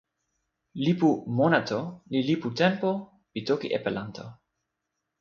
lipu Monato li lipu tenpo pi toki Epelanto.